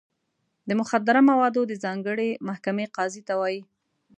د مخدره موادو د ځانګړې محکمې قاضي ته وایي.